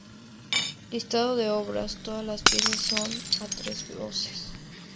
Listado de obras: todas las piezas son a tres voces.